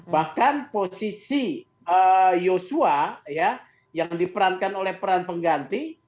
bahkan posisi yosua yang diperankan oleh peran pengganti